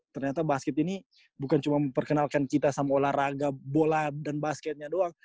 ternyata basket ini bukan cuma memperkenalkan kita sama olahraga bola dan basketnya doang